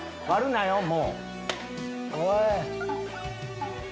割るなよ！